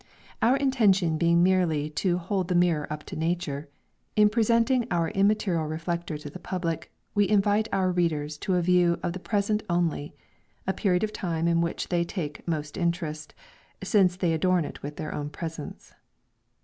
Our intention being merely to "hold the mirror up to nature," in presenting our immaterial reflector to the public, we invite our readers to a view of the present only a period of time in which they take most interest, since they adorn it with their own presence.